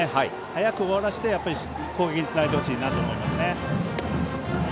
早く終わらせて攻撃につなげてほしいと思いますね。